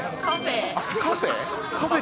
カフェ。